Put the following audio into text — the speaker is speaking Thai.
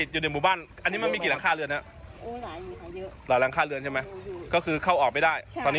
เยอะจากเลือดซึ่งเข้าออกไม่ได้